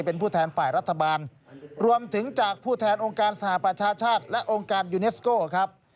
เป็นผู้แทนฝ่ายรัฐบาลรวมถึงจากผู้แทนองค์การสหประชาชาติและองค์การยูเนสโก้ครับ